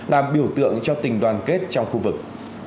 làm biểu tượng cho tình đoàn kết trong khu vực